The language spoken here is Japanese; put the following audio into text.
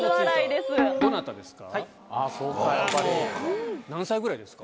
どなたですか？